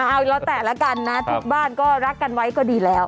เอาแปลกันละทุกบ้านก็รักกันไว้คือดีแล้ว